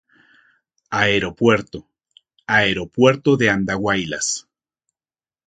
Aeropuerto: Aeropuerto de Andahuaylas.